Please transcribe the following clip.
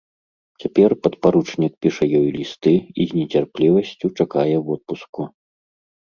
Цяпер падпаручнік піша ёй лісты і з нецярплівасцю чакае водпуску.